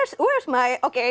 seperti eh dimana dimana oke